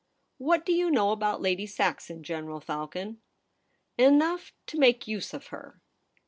What do you know about Lady Saxon, General Falcon ?'' Enough to make use of her.'